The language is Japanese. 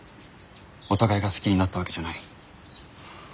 お互いが好きになったわけじゃない。